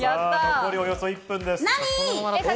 残り、およそ１分です。